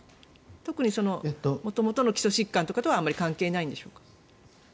特に元々の基礎疾患とかとはあまり関係がないんでしょうか。